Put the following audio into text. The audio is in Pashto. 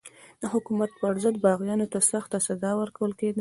د حکومت پر ضد باغیانو ته سخته سزا ورکول کېده.